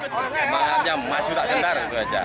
semangatnya maju tak kentar